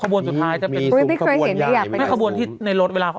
ครับขบวนสุดท้ายแต่มีไม่เคยเห็นนี่อะนี่แม่ขบวนที่ในรถเวลา